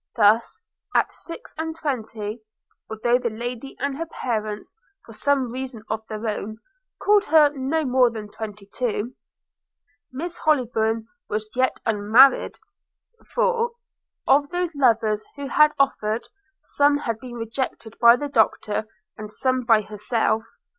Thus, at six and twenty (though the lady and her parents, for some reason of their own, called her no more than twenty two), Miss Hollybourn was yet unmarried! for, of those lovers who had offered, some had been rejected by the Doctor, and some by herself.